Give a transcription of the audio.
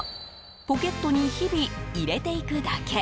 ポケットに日々、入れていくだけ。